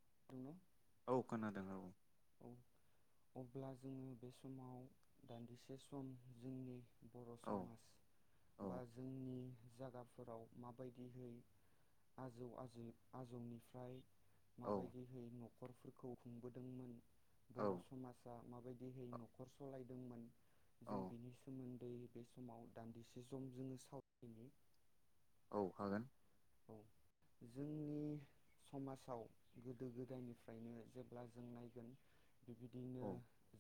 [inaudible] औ खोनादों औ। अब्ला जों बे समाव दान्दिसे सम जोंनि बर समाज बा जोंनि जायागाफोराव माबायदिहै आजौ आजै आजौनिफ्राय माबायदि होयो न नखरफोरखौ खुंबोदोंमोन। बर समाजा माबा बायदिहै न'खर सलायदोंमोन जों बेनि सोमोन दै बे समाव दान्दिसे सम जोङो साव [unintelligible] अखागोन। औ जोंनि समाजाव गोदो गोदायनिफ्रायनो जेब्ला जों नायगोन बिदिनो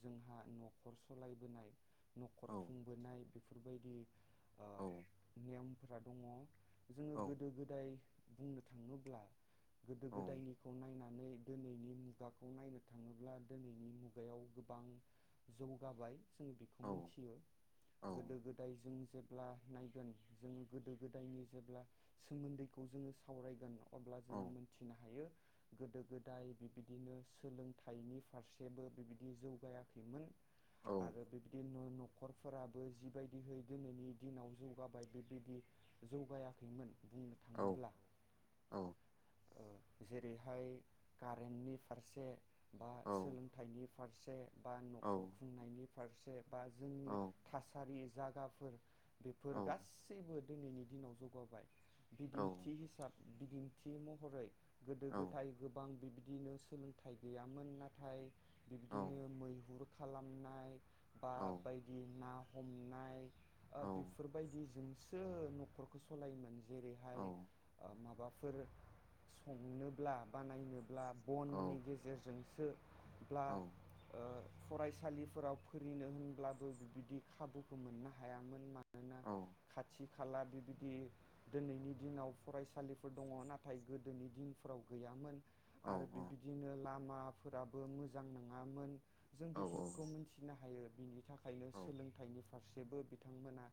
जोंहा। न'खर सालायबोनाय [inaudible] खुंबोनाय बे बेफोरबायदि औ नेमफोरा दङ। जोङो गोदो गो [unintelligible] बुंनो थाङोब्ला गोदो गोदायनिखौ नायनानै माने दिनैनि मुगाखौ नायनो थाङोब्ला दिनैनि मुगायाव गोबां जौगाबाय। जों बेखौ मिथियो गोदो गोदाय जों जेब्ला नायगोन जोङो गोदो गोदायनि जेब्ला सोमोनदैखौ जोङो सावरायगोन। अब्ला जोङो मोनथिनो हायो गोदो गोदाय बिबायदिनो सोलोंथाइनि फारसेबो बिबायदि जौगायाखैमोन। आरो बेबदिनो न नखरफोराबो जिबायदिहै दिनैनि दिनाव जौगाबाय बेबायदि जौगायाखैमोन। बुंनो थाङोब्ला। जेरैहाय कारेन्टनि फारसे बा सोलोंथाइनि फारसे बा नखर खुंनायनि फारसे। बा जोंनि थासारि जागाफोर। बेफोर गासैबो दिनैनि दिनाव जौगाबाय। बिदिन्थि हिसाब बिदिन्थि महरै। गोदो गोथाय गोबां बिदि दिनो सोलोंथाइ गैयामोन नाथाय बिबदिनो मैहुर खालामनाय बा बायदि ना हमनाय। बेफोर बायदि जों सो न'खरखौ सलायोमोन। जेरैहाय ओ माबा फोर संनोब्ला बानायनो ब्ला बननि गेजेरजों सो ब्ला ओ। फरायसालिफोराव फोंनो होनब्लाबो बिबायदि खाबुखौ मोननो हायामोन मानो। मानोना खाथि खाला बे बादि दिनैनि दिनाव फरायसालिफोर दङ नाथाय गोदोनि दिनफोराव गैयामोन। आरो बिबायदिनो लाम माफोराबो मोजां नङामोन। जों बेफोरखौ मिथिनो हायो। बिनि थाखा ओंखायनो सोलोंथाइनि फारसेबो बिथांमोना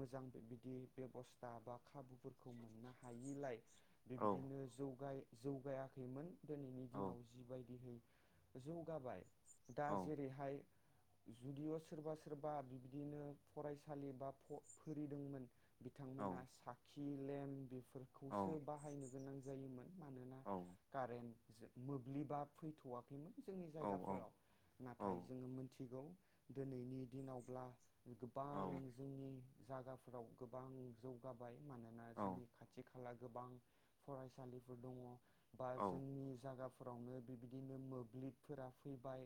मोजां बिदि बेबस्था बा खाबु फोरखौ मोननो हायिलाय बेबायदिनो जौगाय जौगायाखैमोन। दिनैनि दिनाव जिबायदिहै जौगा बाय दा जेरैहाय। जुदिअ सोरबा सोरबा बिबदिनो फरायसालि बा फ फोरिदोंमोन। बिथांमोना सा [inaudible] फोरखौसो बाहायनो गोनां जायो। जायोमोन। मानोना कारेन्ट मोब्लिबा फैथवा जोंनि जायगाफोराव नाथाय जों मोनथि [unintelligible] गौ दिनैनि दिनावब्ला गोबां जोंनि जागाफोराव गोबां जौगाबाय। मानोना जोंनि खाथि आथि खाला गोबां फरायसालिफोर दङ। बा जोंनि जायगाफोर फोरावनो बेबायदिनो मोब्लिबफोरा फैबाय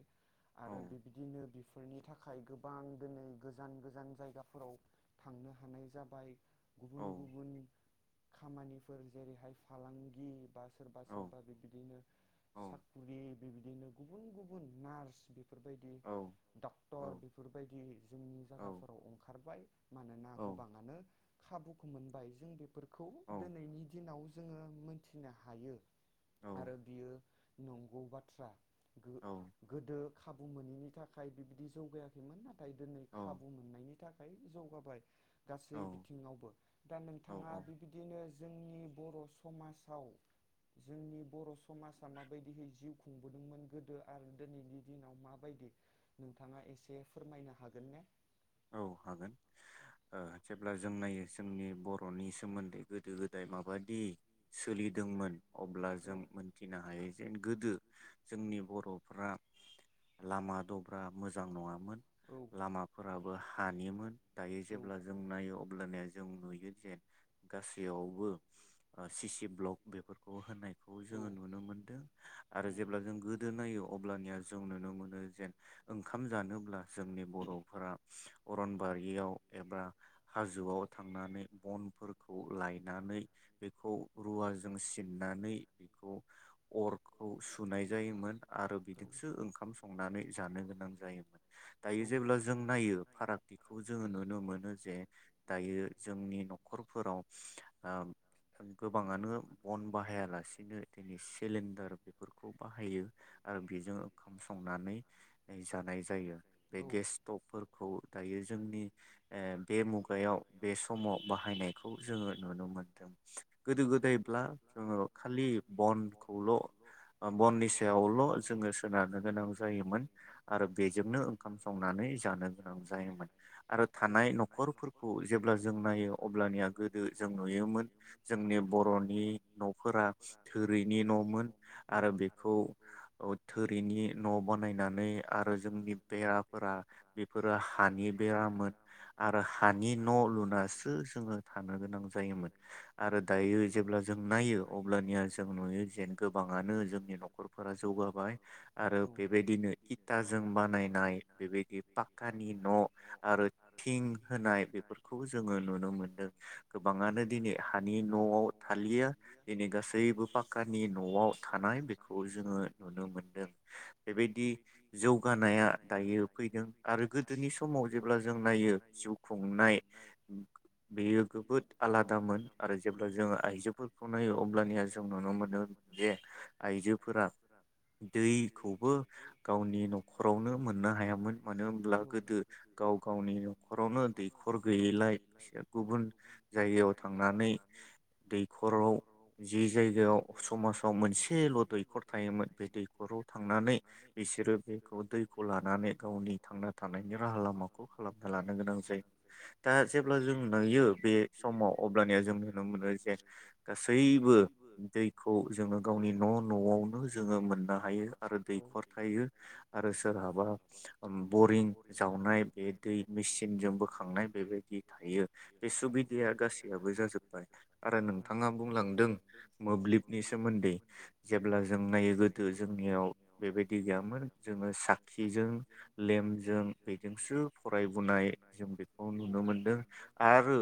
आरो बिबायदिनो बि फोरनि थाखाय गोबां दिनै गोजान गोजान जायगाफोराव थांनो हानाय जाबाय। औ। खामानिफोर जेरैहाय फालांगि बा सोरबा सोरबा बिबदिनो साख्रि बेबायदिनो गुबुन गुबुन नार्स बे बेफोर बायदि डक्टर बेफोर बायदि जोंनि जायगाफोराव ओंखारबाय। मानोना गोबाङानो। खाबु। मोनबाय जों बे फोरखौ दिनैनि दिनाव जोङो मोनथिनो हायो। आरो बियो। नंगौ बाथ्रा। गो-गोदो खाबु मोनैनि थाखाय बिबायदि जौगायाखैमोन ना नाथाय दिनै खाबु मोननायनि था थाखाय जौगाबाय। गासै बिथिङावबो दा नोंथाङा बिबिदिनो जोंनि बर समाजाव जोंनि बर समाजा माबायदियै जिउ खुंबोदोंमोन गोदो आरो दिनैनि दिनाव माबायदि नोंथाङा एसे फोरमायनो हागोन ने? औ हागोन ओ जेब्ला जों नायो जोंनि बर'नि सोमोन्दै गोदो गोदाय माबादि सोलिदोंमोन। अब्ला जों मोनथिनो हायो जेन गोदो जोंनि बर'फ्रा लामा दब्रा मोजां नङामोन। लामाफोर हानिमोन। दायो जेब्ला जों नायो अब्लानिया जों नुयो जे गासैयावबो सि सि ब्लक बेफोरखौ होनाय। खौ जोङो नुनो मोन्दों आरो जेब्ला जों गोदो नायो अब्लानिया जों नुनो मोनो जेन ओंखाम जानोब्ला जोंनि बर'फोरा अरन बारियाव एबा हाजोआव थांनानै बन फोरखौ लायनानै बिखौ रुवाजों सिननानै बिखौ अर सुनाय जायोमोन। आरो बिजोंसो ओंखाम संनानै जानो गोनां जायोमोन। दायो जेब्ला जों नायो बेखौ जोङो नुनो मोनो जे दायो जोंनि न'खरफोराव गोबाङानो बन बाहायालासिनो दिनै सिलिन्दार बेफोरखौ बाहायो। ओ बेजों ओंखाम संनानै जानाय जायो बे गेस्टफोर दायो जोंनि ए बे मुगायाव बे समाव बाहायनायखौ जोङो नुनो मोनदों गोदो गोदायब्ला जोङो खालि बनखौल' बननि सायावल जोङो सोनारनो गोनां जायोमोन आरो बेजोंनो ओंखाम संनानै जानो [unintelligible] जायोमोन आरो थानाय नखरफोर खौ जेब्ला जों नायो अब्लानिया गोदो जों नुयोमोन जोंनि बरनि न'फोरा थोरिनि नमोन आरो बेखौ अ थोरिनि न' बानायनानै आरो जोंनि बेराफोरा बेफोरो हानि बेरामोन आरो हानि न' लुनासो जोङो थानो गोनां जायोमोन आरो दायो जेब्ला जों नायो अब्लानिया जों नुयो जेन गोबाङानो जोंनि न'खरफोरा जौगाबाय आरो बेबायदिनो इथाजों बानायनाय बेबायदि पा कानि न आरो थिं होनाय बेफोरखौ जोङो नुनो मोनदों गोबाङानो दिनै हानि न'आव थालिया दिनै गासैबो पाक्कानि न'आव थानाय बेखौ जोङो नुनो मोनदों बेबायदि जौगानाया दायो फैदों। आरो गोदोनि समाव जेब्ला जों नायो। जिउ खुंनाय बेयो गोबोद आलादामोन आरो जेब्ला जोङो आइजोफोरखौ नायो अब्लानिया जों नुनो मोनो जे आइजोफोरा दैखौबो गावनि नखरावनो मोननो हायामोन। मानो होनोमब्ला गोदो गाव गावनि खरावनो दैखर गैयैलाय बिसोर गुबुन जायगायाव थांनानै दैखराव जि जायगायाव समाजाव मोनसेल दैखर थायोमोन बे दैखराव थांनानै बिसोरो बेखौ दैखौ लानानै गावनि थांना थानायनि राहा लामाखौ खालामना लानो गोनां जायो दा जेब्ला जों नुयो बे समाव अब्लानिया जों नुनो मोनो जे गासैबो दैखौ जोङो गावनि न' न'आवनो जोङो मोननो हायो आरो दैखर थायो आरो सोरहाबा बरिं जावनाय बे दै मिस जों बोखांनाय बेबायदि थायो बे सुबिदाया गासैयाबबो जाजोब्बाय आरो नोंथाङा बुंलांदों मोब्लिबनि सोमोन्दै जेब्ला जों नायो गोदो जोंनियाव बेबायदि गैयामोन जोङो साखिजों लेमजों बेजोंसो फराय बनाय जों बेखौ नुनो मोनदों आरो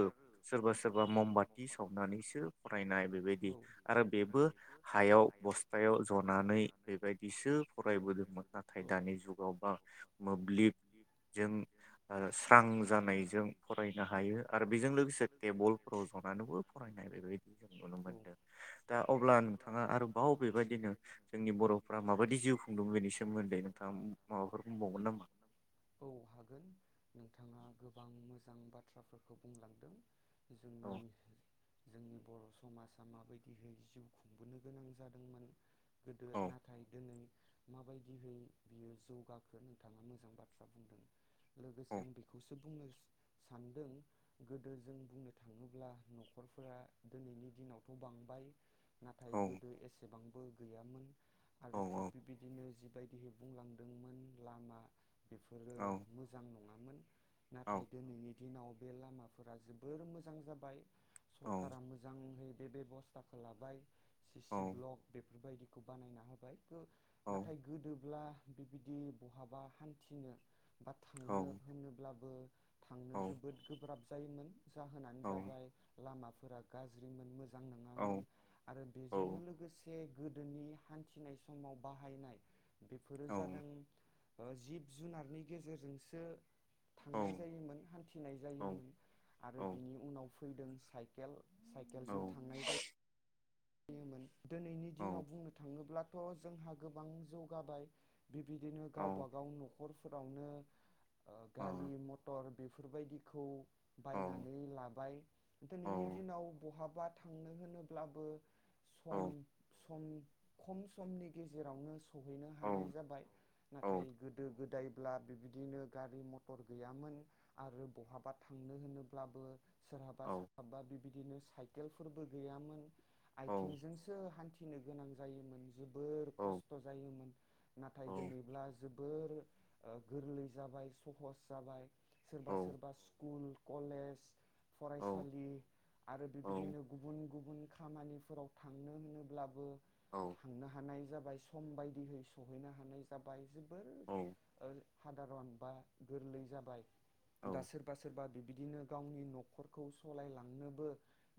सोरबा सोरबा ममबाथि सावनानैसो फरायनाय बेबायदि आरो बेबो हायाव बस्थायाव जनानै बेबायदिसो फरायबोदोंमोन नाथाय दानि जुगावबा मोब्लिब जों ओ स्रां जानायजों फरायनो हायो आरो बेजों लोगोसे टेबोलफोराव जनानैबो फरायनाय बेबायदि जों नुनो मोनदों दा अब्ला नोंथाङा आरोबाव बेबायदिनो जोंनि बर'फोरा माबायदि जिउ खुंदों बेनि सोमोन्दै नोंथाङा माबाफोर औ हागोन। नोंथाङा गोबां मोजां बाथ्राफोरखौ बुंलांदों। जोंनि जोंनि बर' समाजा माबायदिहै जिउ खुंबोनो गोनां जादोंमोन। गोदो नाथाय दिनै माबायदिहै बियो जौगाखो नोंथाङा मोजां बाथ्रा बुंदों लोगो आं बेखौसो बुंनो सानदों गोदो जों बुंनो थाङोब्ला नखरफोरा दिनैनि दिनावथ बांबाय नाथाय गोदो एसेबां बो गैयामोन आरो थिग बेबिदिनो बायदिहै बुंलांदोंमोन लामा, बेफोरो मोजां नङा मोन नाथाय दिनैनि दिनाव बे लामाफोरा जोबोर मोजां जाबाय। सरकारा मोजांहै बे बेबस्ताखौ लाबाय सिसि ब्लक बे बेफोरबायदिखौ बानायना होबाय। नाथाय गोदोब्ला बिबादि बहाबा हान्थिनो बा थांनो ब्लाबो। थांनो जोबोद गोब्राब जायोमोन जाहोनानो जाबाय लामाफोरा गाज्रिमोन मोजां नङामोन आरो बेजोंनो लोगोसे गोदोनि हान्थिनाय समाव बाहायनाय बेफोरो जादों जिब जुनारनि गेजेरजोंसो थांनाय जायोमोन हान्थिनाय जायोमोन आरो बिनि उनाव, फैदों साइकेल। साइकेलजों थांनाय जायो योमोन दिनैनि दिनाव बुंनो थाङोब्ला त जोंहा गोबां जौगाबाय। बिबिदिनो गावबागाव नखर खरफोरावनो ओ गारि मटर बेफ बेफोरबायदिखौ बायनानै लाबाय दिनैनि दिनाव बहाब बा थांनो होनोब्लाबो सम खम खम समनि गेजेरावनो स सौहैनो हानाय जाबाय नाथाय गोदो गोदाय ब्ला बिबायदिनो गारि मथर गैयामोन आरो बहाबा थांनो होनोब्लाबो सोरहाबा सोरहाबा बिबि बिदिनो साइकेलफोरबो गैयामोन। आथिंजोंसो हनथि फिनो गोनां जायोमोन जोबोर खस्थ जायोमोन नाथाय दोनैब्ला जोब जोबोर गोरलै जाबाय सहस जाबाय। सोरबा सोरबा स्कुल कलेज फरायसालि आरो बेबायदिनो गुबुन गुबुन खामानि फो सुराव थांनो होनोब्लाबो हांनो हानाय जाबाय। जाय सम बायदिहै सहैनो हानाय जाबाय। फोर ओर हादारन बा गोरलै जाबाय दा सोरबा सोरबा बिब बिदिनो गावनि नखरखौ सालायलांनोबो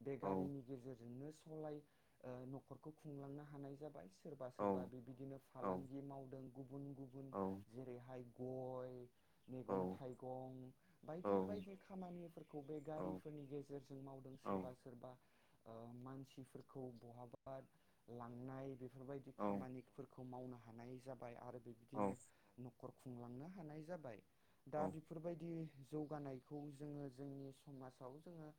बे गारिनि गेजेरजोंनो स लाइ ओ न'खरखौ खुंलांनो हानाय जाबाय स सोरबा सोरबा बिबायदिनो फालांगि मावदों। गुबुन गुबुन जेरैहाय गय मैगं थाइगं बायदि बायदि खामानिफोरखौ बे गारिफोरनि गेजेरजों मावदों सोरबा सोरबा। ओ मानसिफोर। अ बहाबा लांनाय बेफ बेफोरबायदि खामानिफोरखौ खौ मावनो हानाय जाबाय आरो बिदिनो न खर खुंलांनो हानाय जाबाय। दा बेफोरबायदि जौगानायखौ जोङो जोंनि समासआव जोङो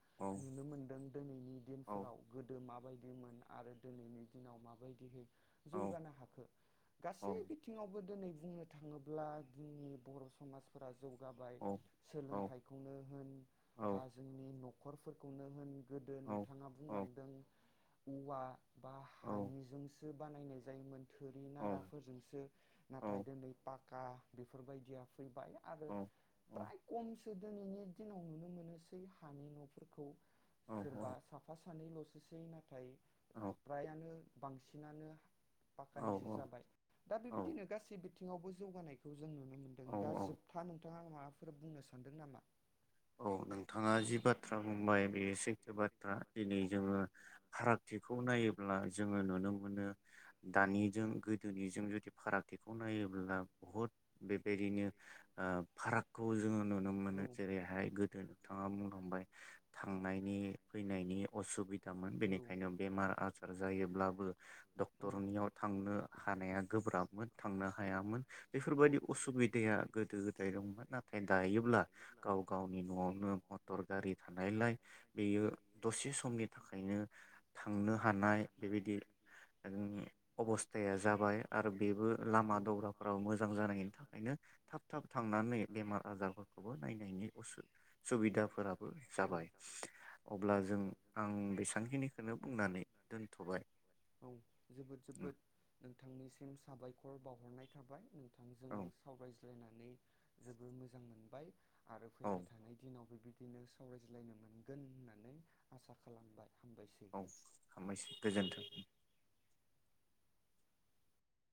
नुनो मोनदों दिनैनि दिनफोराव गोदो माब बिमोन आरो दिनैनि दिनाव माबायदि है जौगानो हाखो गासै बिथिङावबो दिनै बुंनो थाङोब्ला जोंनि बर समाजफोरा जो जौगाबाय सोलोंथाइखौनो होन बा जोंनि नख नखरफोरखौनो होन गोदो नोंथाङा बुंलांदों उवा बा हानिजोंस ओ बानायनाय जायोमोन। थोरि नाराफोरजोंसो नाथाय दिनै पाक खा बेफोरबायदिया फैबाय आरो प्राइ खमस जो दिनैनि दिनाव नुनो मोनोसै हानि न'फोरखौ। सोरबा साफा सान सानैलसैसै ना थायो। प्रायानो बांसिनानो पाखानिसो जाबाय दा बेबायदिनो गासै बिथिङावबो जौगानायखौ जों नुनो मोनदों दा जोबथा न थाङा माबाफोर बुंनो सानदों नामा? औ नोंथाङा जि बाथ्रा बुंबाय बेयो सैथो बाथ्रा दिनै जोङो फारागथिखौ नायोब्ला जोङो नुनो मोनो। दानिजों गोदोनिजों जुदि फारागथिखौ नायोब्ला बुहुद बेबायदिनो ओ फारागखौ जोङो नुनो मोनो जेरै गोदो नोंथाङा बुंलांबाय थांनायनि फैनायनि असुबिद बेनिखायनो बेमार आजार? जायोब्लाबो डक्टरनियाव थांनो हानाया गोब्राबमोन थांनो हायामोन। बेफोरबायदि असुबिदाया गोदो गोदाय दंमोन नाथाय दायोब्ला गाव गावनि न'आवनो मटर गारि थानायलाय बेयो दसे समनि थाखायनो थांनो हानाय बेबायदि जोंनि अबस्थाया जाबाय आरो बेबो लामा दावराफ्राव मोजां जानायनि थाखायनो थाब थाब थांनानै बेमार आजारफोरखौबो नायनायनि सुबिदाफोराबो जाबाय अब्ला जों आं बेसेबांखिनिखौनो बुंनानै दोनथ'बाय। नोंथांनिसिम साबायखर बावहरनाय थाबाय। बिथांजों सावरायज्लायनाय नै जोबोर मोजां मोनबाय। आरो फैबाय थानाय दिनावबो बिदि बिदिनो सावरायज्लायनो मोनगोन होननानै आसा खालामबाय। औ हामबायसै गोजोन्थों।